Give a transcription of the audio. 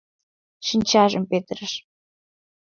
Шинчажым петырыш.